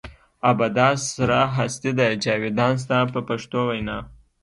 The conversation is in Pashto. ابدا سره هستي ده جاویدان ستا په پښتو وینا.